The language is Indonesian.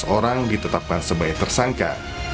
empat belas orang ditetapkan sebagai tersangka